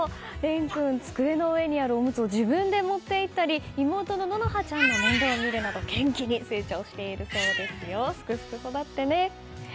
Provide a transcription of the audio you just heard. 煉君、机の上にあるおむつを自分で持って行ったり妹の希羽ちゃんの面倒を見るなど元気に成長しているそうですよ。